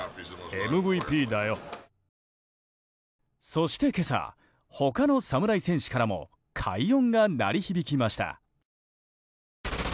そして今朝、他の侍戦士からも快音が鳴り響きました。